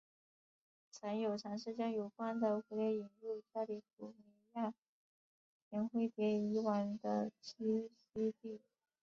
曾有尝试将有关的蝴蝶引入加利福尼亚甜灰蝶以往的栖息地。